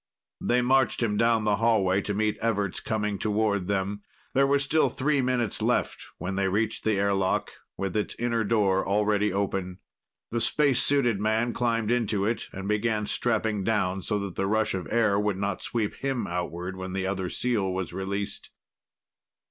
They marched him down the hallway, to meet Everts coming toward them. There were still three minutes left when they reached the airlock, with its inner door already open. The spacesuited man climbed into it and began strapping down so that the rush of air would not sweep him outward when the other seal was released.